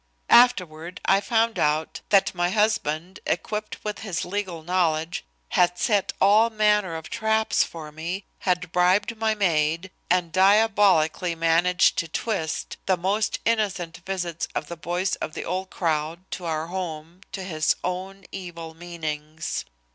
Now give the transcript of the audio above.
"Afterward I found out that my husband, equipped with his legal knowledge, had set all manner of traps for me, had bribed my maid, and diabolically managed to twist the most innocent visits of the boys of the old crowd to our home to his own evil meanings.